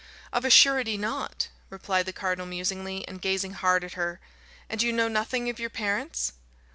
"Of a surety not," replied the cardinal musingly, and gazing hard at her. "And you know nothing of your parents?"